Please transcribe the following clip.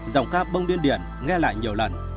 giọng ca bông điên điển nghe lại nhiều lần